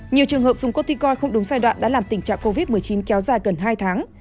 nhiều trường hợp dùng cottcoin không đúng giai đoạn đã làm tình trạng covid một mươi chín kéo dài gần hai tháng